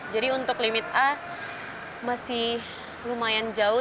jadi untuk limit a masih lumayan jauh